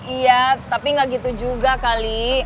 iya tapi nggak gitu juga kali